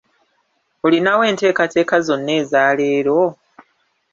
Olinawo enteekateeka zonna eza leero?